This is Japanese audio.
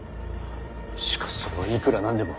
しかしそれはいくら何でも。